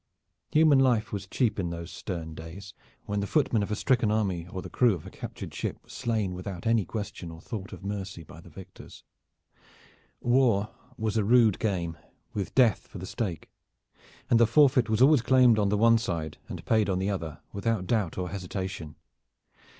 Human life was cheap in those stern days when the footmen of a stricken army or the crew of a captured ship were slain without any question or thought of mercy by the victors. War was a rude game with death for the stake, and the forfeit was always claimed on the one side and paid on the other without doubt or hesitation.